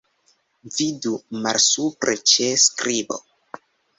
Vidu malsupre ĉe skribo.